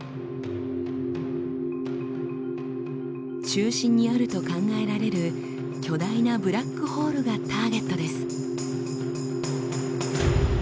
中心にあると考えられる巨大なブラックホールがターゲットです。